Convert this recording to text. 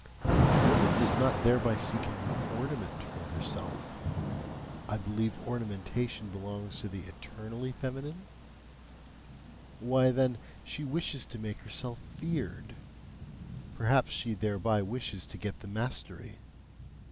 If woman does not thereby seek a new ORNAMENT for herself I believe ornamentation belongs to the eternally feminine? why, then, she wishes to make herself feared: perhaps she thereby wishes to get the mastery.